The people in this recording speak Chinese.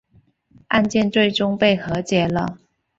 案件最终被和解了。